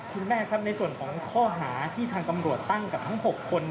คุณแม่ครับในส่วนของข้อหาที่ทางตำรวจตั้งกับทั้ง๖คน